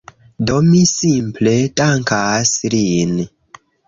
Do mi simple dankas lin